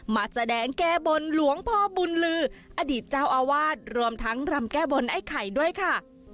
มาแสดงแก้บนหลวงพ่อบุญลืออดีตเจ้าอาวาสรวมทั้งรำแก้บนไอ้ไข่ด้วยค่ะ